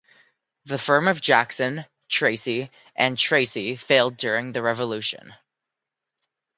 The firm of Jackson, Tracy, and Tracy failed during the revolution.